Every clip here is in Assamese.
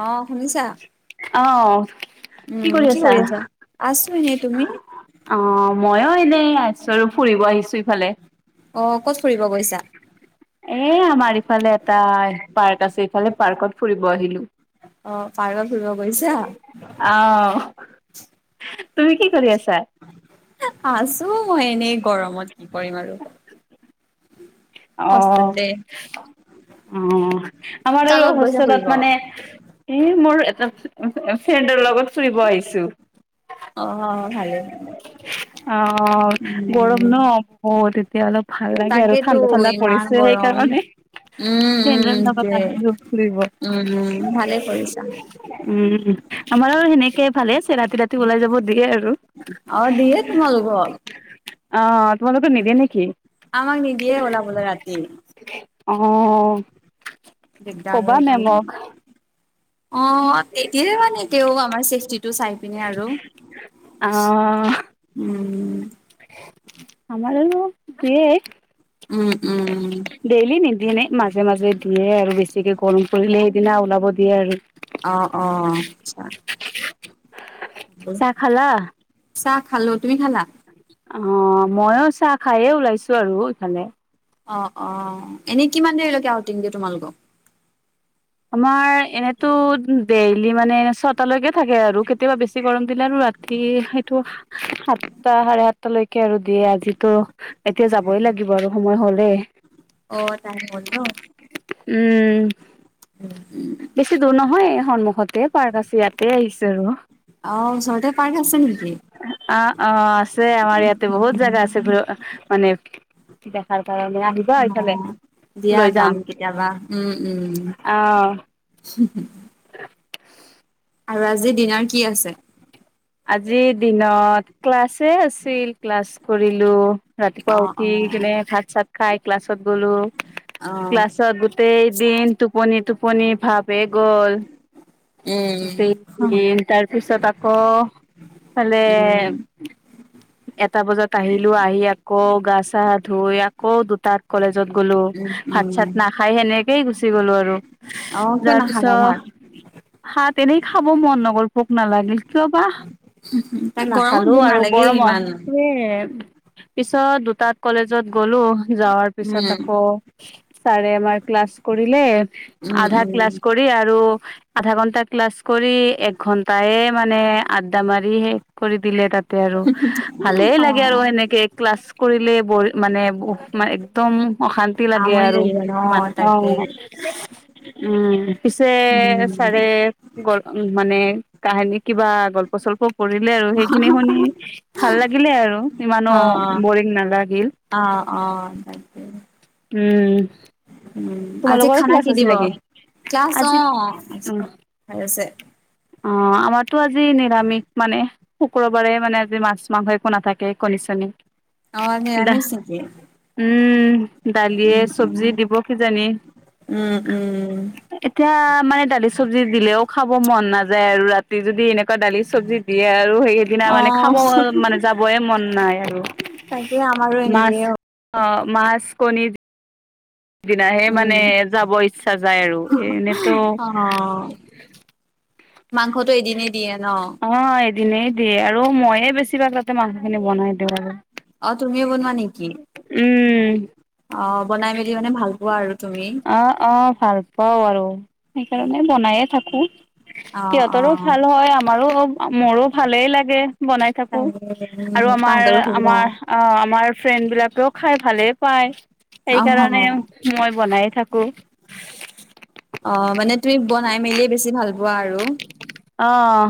অহ শুনিছা। অ। উম কি কৰি আছা আছো এনে। অ মইও এনেই আছো আৰু ফুৰিব আহিছো ইফালে। অ ক'ত ফুৰিব গৈছা। এ আমাৰ ইফালে এটা পাৰ্ক আছে ইফালে পাৰ্কত ফুৰিব আহিলো। অ পাৰকত ফুৰিব গৈছা। অ', তুমি কি কৰি আছা। আছো মই এনেই গৰমত কি কৰিম আৰু। উম [unintelligible] অ অ আমাৰ কাৰ আৰু লগত গৈছা হোষ্টেলত ফুৰিব মানে। এ মোৰ এটা ফ্ৰেণ্ডৰ লগত ফুৰিব আহিছো। অ ভালে ভালে অ গৰম উম ন বহুত। এতিয়া অলপ ভাল লাগে আৰু তাকেতো ঠাণ্ডা ঠাণ্ডা ইমান পৰিছে গৰম সেইকাৰণে। উম সেইদ উম লগাকত সেইটোৱে আহি ফুব উম উম ভালে কৰিছা উম। আমাৰ সেনেকে ভালে আছে ৰাতি ৰাতি ওলাই যাব দিয়ে আৰু। অ দিয়ে তোমালোকক অহ তোমালোকৰ নিদিয়ে নেকি। বলা বল ৰাতি। অ। দিগদাৰ ক'বা হয় মেমক। সেই অ এতিয় মানে তেওঁ আমাৰ চেফটি। টো চাই পিনে আৰু অ', উম। আমাৰ দিয়ে। উম উম উম। ডেইলি নিদিয়ে নে মাজে মাজে দিয়ে আৰু বেছিকে গৰম কৰিলে সেইদিনা ওলাব দিয়ে আৰু। অ অ। চাহ খালা। চাহ খালো তুমি খালা। অ ময়ো চাহ খায়ে ওলাইছো আৰু ইফালে। অ অ এনেই কিমান দেৰিলৈকে আউটিংগে তোমালোকক। আমাৰ এনেতো ডেইলি মানে ছটালৈকে থাকে আৰু কেতিয়াবা বেছি গৰম। সদিনা আৰু ৰাতি সেইটো সাতটা চাৰে সাতটা লৈকে আৰু দিয়ে আজিতো। এতিয়া যাবই লাগিব আৰু সময় হলে। অ টাইম হ'ল ন। উম, বেছি দূৰ নহয় সন্মুখতে পাৰ্ক আছে ইয়াতে আহিছো আৰু। তে পাৰ্ আছে। নেকি অ অ আছে আমাৰ ইয়াতে বহুত জাগা আছে ঘ মানে। তাৰ কাৰণে আহিবা অ এইফালে দিয়া লৈ যাম কেতিয়াবা অহ। উ হু [unintelligible] আৰু আজিৰ দিনাৰ কি আছে! আজিৰ দিনত ক্লাছে আছিল ক্লাছ কৰিলো। ৰাতিপুৱা অ অ উঠি কেনে সাত চাত খাই ক্লাছত। গলো অ ক্লাছত গোটেই দিন টোপনি টো। পণনি ভাপে গ'ল উম দুদিন তাৰপিছত আকৌ। তালে। উম এটা বজাত আহিলো আহি আকৌ গা চা ধুই আকৌ দুটাত কলেজ। ত গ'লো উম ভাত চাত উম নাখাই সেনেকেই গুচি গ'লো আৰু। অ ক ন খালা ভাত। হাত এনেই খাব মন নগৰি ভোক নালাগিল কিয় বাহ। তাক গৰমত নাখালো ভোক আৰু নালাগেই গৰম ইমান হে পিছত দুটাত। কলেজত গলো যাৱাৰ পিছত উম আকৌ ছাৰে আমাৰ ক্লাছ কৰিলে। উম আধা ক্লাছ উম কৰি আৰু। আধা ঘন্টা ক্লাছ কৰি এক ঘন্টাইে মানে আ্ডা মাৰি কৰি। দিলে তাতে আৰু ভালেই অ লাগে আৰু সেনেকে ক্লাছ কৰিলে ব মানে। একদম অশান্তি লাগে আমনি আৰু লাগি যায় ন ইমান অ তাকে উম পিছে উম ছাৰে গ মানে কাহিনী কিবা। প্ৰচ্প পৰিলে আৰু সেইখিনি শুনি ভাল লাগিলে আৰু ইমানো অ বৰিং নালাগিল। অ অ ত। উম। উম আজি তোমালোকৰো খানা ক্লাছ কি আছিল দিব নেকি ক্লাছ অ। আজি ভালছে। অ আমাৰতো আজি নিৰামিষ মানে শুক্ৰবাৰে মানে আজি মাছ মাংস একো নাথাকে কণী চনী। অ দা নিয়ামিচ নেকি। উম দালিয়ে উম চব্জি উম দিব কিজানি। উম উম। এতিয়া মানে দালি চব্জি দিলেও খাব মন নাযায় আৰু ৰাতি যদি এনেকুৱা দালি চব্জি। দিয়ে আৰু সেই সেইদিনা অ মানে খাব মানে যাবই মন নাই আৰু। তাকে আমাৰো মাছ এনেকেই অ মাছ কনি। দিনাহে উম মানে যাব ইচ্ছা যায় আৰু এ এনেতো। অ [unintelligible] মাংসটো এদিনেই দিয়ে ন অ এদিনেই দিয়ে আৰু মইে বেছি ভাগ। মানুহখিনি বনাই দিওঁ আৰু। অ তুমিও বনোৱা নেকি উম অ। বনাই মেলি মানে ভাল পোৱা আৰু তুমি। অ অ ভাল পাওঁ আৰু সেইকাৰণে বনায়ে থাকো অ সিহঁতৰো অ ভাল হয় আমাৰো মোৰো ভালেই। লাগে বনাই থাকো উম আৰু তাহাঁতৰ আমাৰ সুবিধা আমাৰ আমাৰ ফ্ৰেণ্ড বিলাকেও খাই ভালে। পাই অহ সেইকাৰণে মই বনাইে থাকো। অ মানে তুমি বনাই মেলিয় বেছি ভাল পোৱা আৰু। অঁহ।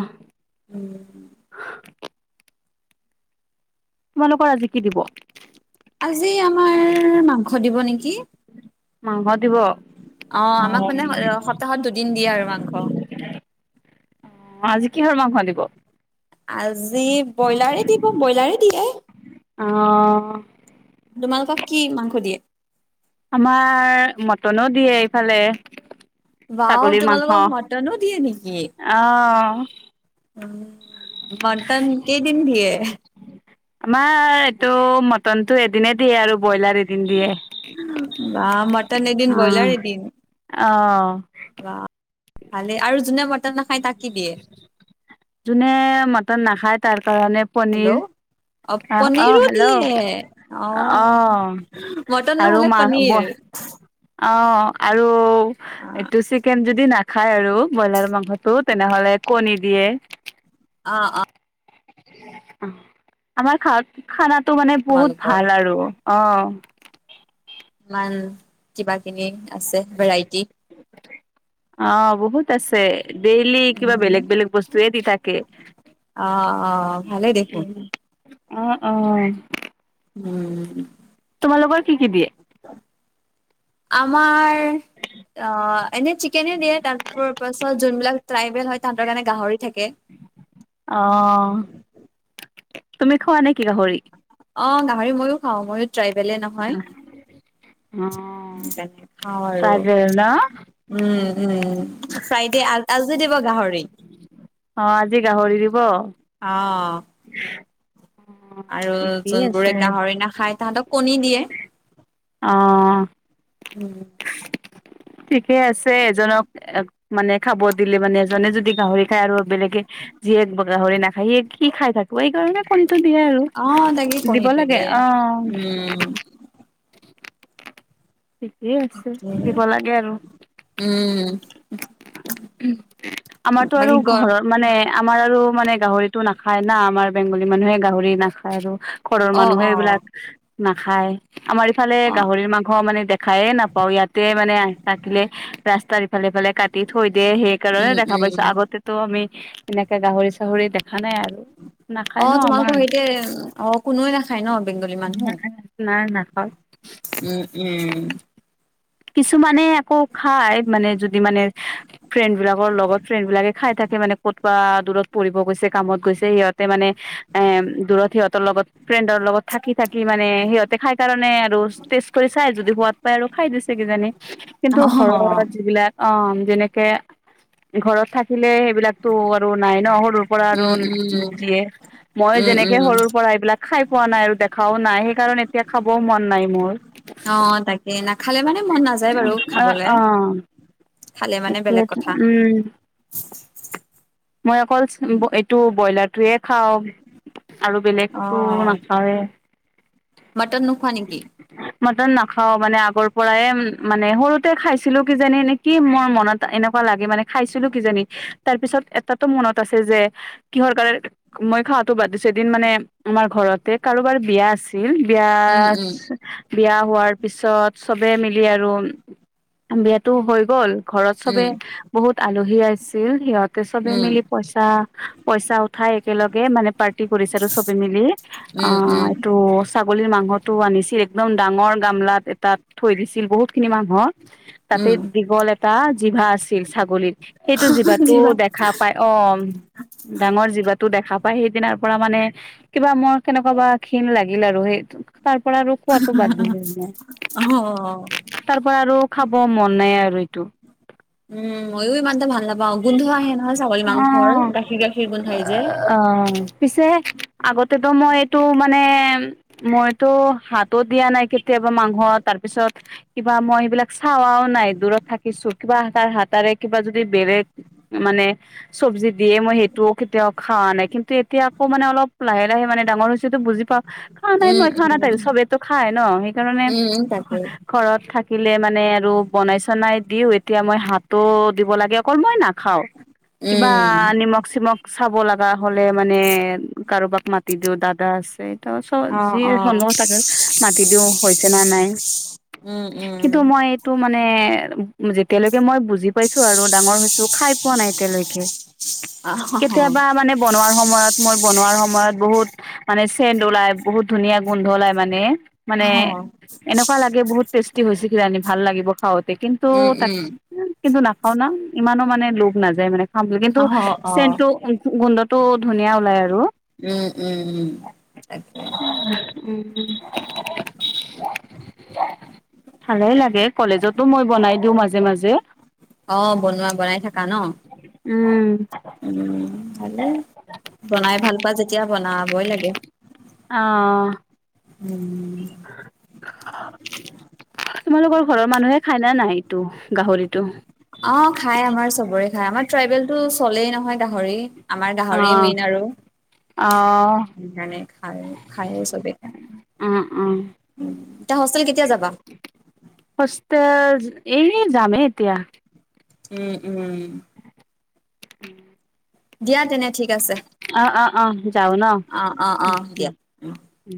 উম। [unintelligible] তোমালোকৰ আজি কি দিব? আজি আমাৰ মাংস দিব নেকি মাংসত অ আমাক মানে সপ্তাহত দুদিন দিয়ে আৰু মাংস। অ আজি কিহৰ মাংস দিব। আজি ব্ৰইলাৰে দিব ব্ৰইলাৰে দিয়ে। অ। তোমালোকক কি মাংস দিয়ে। আমাৰ মটনো দিয়ে এইফালে। ৱাৱ ছাগলীৰ মাংস। তোমালোকক মটনো দিয়ে নিকি? অ' উম। মটন কেইদিন দিয়ে আমাৰ এইটো মটনটো এদিনে দিয়ে আৰু ব্ৰইলাৰ এদিন দিয়ে। বাহ মটন এদিন ব্ৰইলাৰ অ' এদিন অ' বাহ। ভালে আৰু যোনে মটন। নাখায় তাক কি দিয়ে যোনে মটন নাখায় তাৰ কাৰণে পনীৰ। হেল্ল' অ অহ অহ পনীৰো হেল্ল' দিয়ে অ অহ মটন আৰু নহলে মা পনীৰ ব। অ আৰু এইটো চিকেন যদি না। খায় আৰু ব্ৰইলাৰ মাংসটো তেনেহ'লে কণী দিয়ে। অ অ। আমাৰ খা খানাটো মানে বহুত তোমালোকৰ ভাল আৰু। অ। ইমান কিবা কিনি আছে ভেৰাইটি। অ বহুত আছে ডেইলি কিবা উম বেলেগ বেলেগ বস্তুয়ে দি থাকে। অ অ ভালে দেখোন। অ অ। উম। তোমালোকৰ কি কি দিয়ে? [inaudible] আমাৰ অ এনে চিকেনে দিয়ে তাৰ প পাছত যোনবিলাক ট্ৰাইবেল হয় তাহাঁতৰ কাৰণে গাহৰি থা অহ, তুমি খোৱা নেকি গাহৰি? অ গাহৰি ময়ো খাওঁ ময়ো ট্ৰাইবেলে নহয়। অ' তেনে খাওঁ আৰু চাগে ন উম। উম, ফ্ৰাইডে আ আজি দিব গাহৰি। অ আজি গাহৰি দিব। অ [unintelligible] আৰু ঠিকেই যোনবোৰে আছে গাহৰি নাখায় তাহাঁতক কণী দিয়ে। অ' উম। ঠিকে আছে এজনক মানে খাব দিলে মানে এজনে যদি গাহৰি খায় আৰু বেলেগে যিয়ে গাহৰি নেখায় সিয়ে কি খাই থাক ব এই কাৰণে কণীটো দিয়ে আৰু অ', তাকে দিব কণীটো লাগে দিয়ে। অ। উম, ঠিকেই আছে উম, দিব লাগে আৰু। উম, উমহ, আমাৰটো আৰু বাকী গৰ ঘৰত মানে আমাৰ আৰু মানে গাহৰিতো নাখায় না আমাৰ বেংগলী মানুহে গাহৰি নাখায় আৰু ঘৰৰ অ', মানুহে অ', এইবিলাক নাখায়, আমাৰ ইফালে অ', গাহৰিৰ মাংস মানে খায়ে নাপাওঁ ইয়াতে মানে থাকিলে ৰাস্তাৰ ইফালে -সিফালে কাটি থৈ দিয়ে সেইকাৰণে উম, দেখা পাইছোঁ উম। আগতেটো আমি এনেকে গাহৰি চাহৰি দেখ অ তোমালোকৰ সেইতে অ কোনোৱে নাখায় ন? বেংগলী মানুহ? নাৰ নাখাই উম উম কিছুমানে আকৌ খাই মানে যদি মানে ফ্ৰেণ্ড বিলাকৰ লগত ফ্ৰেণ্ড বিলাকে খাই থাকে মানে ক'ত বা দূৰত কৰিব গৈছে কামত গৈছে সিহঁতে মানে এ দূৰত সিহঁতৰ লগত ফ্ৰেণ্ডৰ লগত থাকি থাকি মানে সিহঁতে খাই কাৰণে আৰু টেষ্ট কৰি চাই যদি সোৱাদ পাই আৰু খাই দিছে কিজানি কিন্তু ঘৰৰ অ', যিবিলাক অ যেনেকে ঘৰত থাকিলে এইবিলাকতো আৰু নাই ন সৰুৰ পৰা আৰু উম, উম, দিয়ে, মই উম, যেনেকে উম, সৰুৰ পৰা এইবিলাক খা খাই পোৱা নাই আৰু দেখাও নাই সেইকাৰণে এতিয়া খাবও মন নাই মোৰ। অ', তাকে নাখালে মানে মন নাযায় বাৰু অ খাবলে। অ, খালে মানে বেলেগ একটো কথা। উম। মই অকল এইটো ব্ৰইলাৰটোৱে খাওঁ। আৰু বেলেগটো অ', নাখাৱে। মটন নোখোৱা নেকি? মটন নাখাও মানে আগৰ পৰাই মানে সৰুতে খাইছিলো কিজানি নে কি মোৰ মনত এনেকোৱা লাগে মানে খাইছিলো কিজানি, তাৰ পিছত এ তাতো মনত আছে যে, কিহৰ কাৰণে মই খোৱাতো বাদ দিছো এদিন মানে আমাৰ ঘৰতে কাৰো বাৰ বিয়া আছিল বিয়া উম, উম, বিয়া হোৱাৰ পিছত চবে মিলি আৰু বিয়াতো হৈ গ'ল। ঘৰত চবে উম, বহুত আলহী আছিল সিহঁতে সবে উম, মিলি পইচা- পইচা উঠাই একেলগে মানে পাৰ্টি কৰিছে আৰু চবে মিলি, অ উম, উম, এইটো ছাগলীৰ মাংসতো আ নিছিল একদম ডাঙৰ গামলাত এটাত থৈ দিছিল বহুতখিনি মানুহক তাতে উম, দীঘল এটা জিভা আছিল ছাগলীত, সেইটো জিভাটো জিভা দে খা পায় অ, ডাঙৰ জিভাত টো দেখা পাই সেইদিনাৰ পৰা মানে কিবা মোৰ কেনেকোৱা কিবা ঘিণ লাগিল আৰু সেই তাৰ পৰা আৰু খোৱাটো বাদ দিলো মানে। অ'। তাৰ পৰা আৰু খাব মন নাই আৰু এইটো উম মইয়ো ইমান তা ভাল নাপাওঁ গোন্ধ আহে নহয় ছাগলী অ মাংসৰ গাখীৰ গাখীৰ গোন্ধাই যে। অ পিছে আগ তেতো মই এইটো মানে মইতো হাতো দিয়া নাই কেতিয়াবা মাংস তাৰপিছত কিবা মই সিবিলাক চাৱাও নাই দূৰত থাকিছো কিবা তাৰ হাতাৰে কিবা যদি বেলেগ মানে চবজি দিয়ে মই সেইটোও কেতিয়াও খোৱা নাই কিন্তু এতিয়াকৌ মানে অলপ লাহে লাহে মানে ডাঙৰ হৈছেটো বুজি পাওঁ খোৱা নাই উম মই খোৱা নাই উম চবেতো খাই ন সেইকাৰণে উম তাকে। ঘৰত থাক কিলে মানে আৰু বনাই চনাই দিও এতিয়া মই হাতো দিব লাগে অকল মই নাখাও কিবা উম। নিমখ চিমখ চাব লগা হলে মানে কাৰোবাক মাতি দিও দাদা আছে। তাছত অ যি অ। হনো তাতে মাতি দিওঁ হৈছে না নাই। উম উম কিন্তু মই এইটো মানে যেতিয়ালৈকে মই বুজি পাইছো আৰু ডাঙৰ হৈছো খাই পোৱা নাই এতিয়ালৈকে আহ হ কেতিয়াবা মানে বনোৱাৰ সময়ত মই বনোৱাৰ সময়ত বহুত মানে চেণ্ট ওলাই বহুত ধুনীয়া গোন্ধ ওলাই মানে মানে আহ এনেকোৱা লাগে বহুত টেষ্টি হৈছে কিজানি ভাল লাগিব খাৱই। কিন্তু উম তাৰ উম। পিছত কিন্তু নাখাও না ইমানো মানে লোভ নাযায় মানে খাম বুলি কিন্তু অহ অ। চেনটো গোন্ধটো ধুনীয়া ওলাই আৰু। উম উম উম তাকে উম ভালেই লাগে কলেজতো মই বনাই দিওঁ মাজে মাজে। অ বনোৱা বনাই থাকা ন উম উম খালেই বনাই ভাল পোৱা যেতিয়া বনাবই লাগেঝ। অ তোমালোকৰ ঘৰৰ মানুহে খাই না নাই টো গাহৰিটো। অ খাই আমাৰ চবৰে খাই আমাৰ ট্ৰাইবেলটো চলেই নহয় গাহৰি। আমাৰ গাহৰি মেইন আৰু। আহ। খায়, খায় চবে খায় উম। হুষ্টেল এই যামেই এতিয়া উম উম [inaudible] দিয়া তেনে ঠিক আছে অ', অ', অ', যাও ন। অ অ অ উম, দিয়া অ। উম।